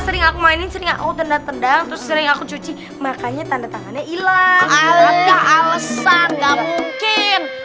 sering aku mainin sering aku tendang tendang terus sering aku cuci makanya tanda tangannya ilang alesan